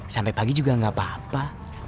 sampai pagi juga gak apa apa